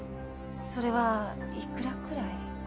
それはいくらくらい？